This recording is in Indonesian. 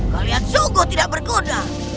kalian sungguh tidak berguna